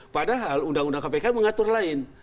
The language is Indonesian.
padahal undang undang kpk mengatur lain